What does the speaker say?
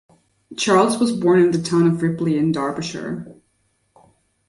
Charles was born in the town of Ripley in Derbyshire.